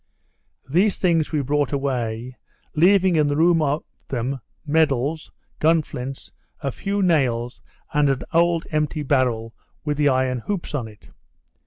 Those things we brought away, leaving in the room of them medals, gun flints, a few nails, and an old empty barrel with the iron hoops on it.